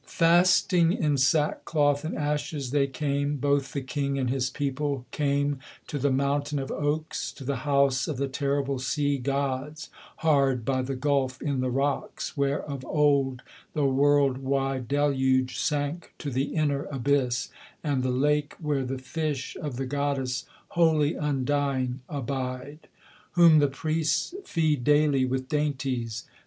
Fasting in sackcloth and ashes they came, both the king and his people, Came to the mountain of oaks, to the house of the terrible sea gods, Hard by the gulf in the rocks, where of old the world wide deluge Sank to the inner abyss; and the lake where the fish of the goddess, Holy, undying, abide; whom the priests feed daily with dainties.